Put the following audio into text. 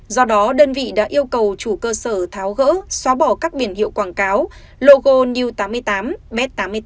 do đó đơn vị đã yêu cầu chủ cơ sở tháo gỡ xóa bỏ các biển hiệu quảng cáo logo new tám mươi tám b tám mươi tám